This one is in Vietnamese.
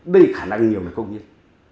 đây khả năng nhiều mà công nhân